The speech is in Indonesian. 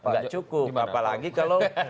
gak cukup apalagi kalau